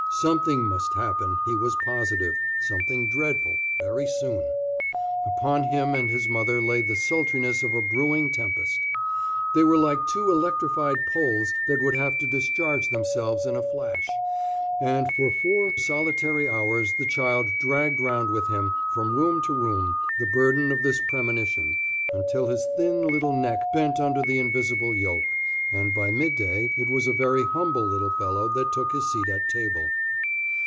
Something must happen, he was positive, something dreadful, very soon. Upon him and his mother lay the sultriness of a brewing tempest. They were like two electrified poles that would have to discharge themselves in a flash. And for four solitary hours the child dragged round with him, from room to room, the burden of this premonition, until his thin little neck bent under the invisible yoke, and by midday it was a very humble little fellow that took his seat at table.